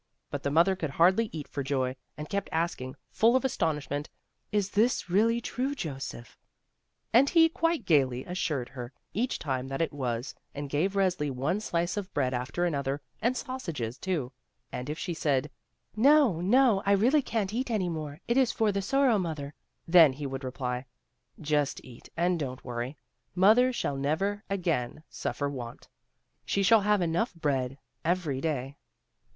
But the mother could hardly eat for joy, and kept asking, full of astonishment: "Is this really true, Joseph?" And he quite gayly assured her each time that it was, and gave Resli one slice of bread after another, and sausages, too; and if she said: "'No, no, I really can't eat any more; it is for the Sorrow mother," then he would reply: "Just eat and don't worry; Mother shall never again suffer want. She shall have enough bread every day."